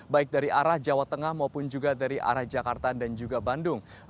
baik dari arah jawa tengah maupun juga dari arah jakarta dan juga bandung